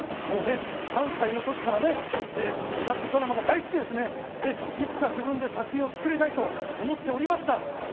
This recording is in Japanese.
もうね、３歳のときからね、特撮ドラマが大好きでいつか自分で作品をつくりたいと思っておりました。